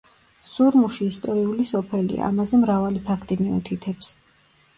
სურმუში ისტორიული სოფელია, ამაზე მრავალი ფაქტი მიუთითებს.